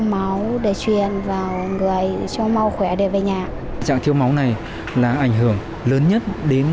máu để truyền vào cho mau khỏe để về nhà dạng thiếu máu này là ảnh hưởng lớn nhất đến